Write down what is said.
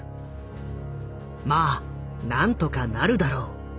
「まあなんとかなるだろう」。